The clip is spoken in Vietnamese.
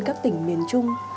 các tỉnh miền trung